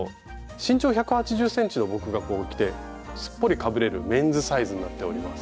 身長１８０ｃｍの僕がこう着てすっぽりかぶれるメンズサイズになっております。